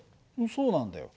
そうなんだよ。